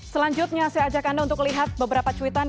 selanjutnya saya ajak anda untuk lihat beberapa cuitan